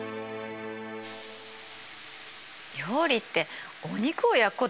料理ってお肉を焼くことだったのね。